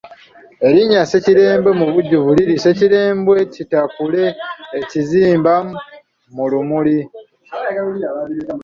Erinnya Ssekirembwe mubujjuvu liri Ssekirembwe kitaakule kizimba mu lumuli.